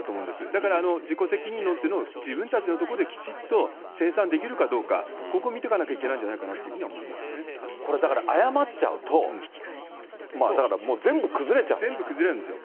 だから自己責任論というのを自分たちのところできちっと清算できるかどうか、ここを見ていかなきゃいけないんじゃないかなと思いこれだから、謝っちゃうと、全部崩れるんですよ。